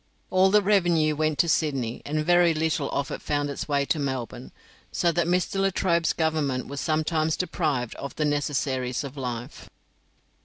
All the revenue went to Sydney, and very little of it found its way to Melbourne, so that Mr. Latrobe's Government was sometimes deprived of the necessaries of life.